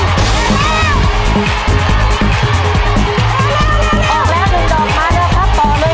ไม่ออกไปเลย